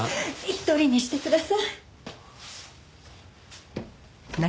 一人にしてください！